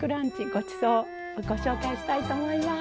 ごちそうご紹介したいと思います。